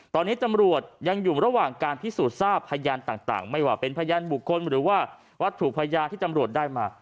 ตอนนี้ตำรวจยังอยู่ระหว่างการพิสูจน์ทราบพยานต่างไม่ว่าเป็นพยานบุคคลหรือว่าวัตถุพยานที่ตำรวจได้มา